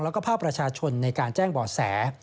แล้วก็ภาพประชาชนในการแจ้งบ่อแส